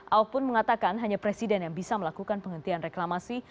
ahok pun mengatakan hanya presiden yang bisa melakukan penghentian reklamasi